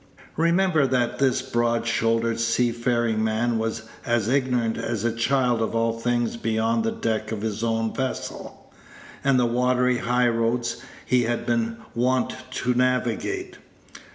Remember that this broad shouldered seafaring man was as ignorant as a child of all things beyond the deck of his own vessel, and the watery high roads he had been wont to navigate.